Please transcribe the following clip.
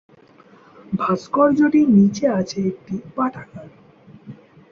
ভাস্কর্যটির নিচে আছে একটি পাঠাগার।